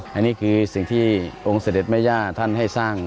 อันนี้คือสิ่งที่องค์เสด็จแม่ย่าท่านให้สร้าง